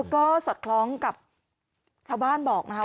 ก็สอดคล้องกับชาวบ้านบอกนะคะ